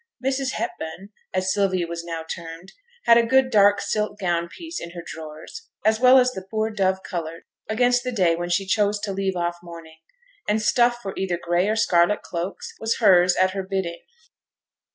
'Mrs Hepburn' (as Sylvia was now termed) had a good dark silk gown piece in her drawers, as well as the poor dove coloured, against the day when she chose to leave off mourning; and stuff for either gray or scarlet cloaks was hers at her bidding.